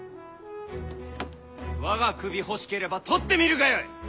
我が首欲しければ取ってみるがよい！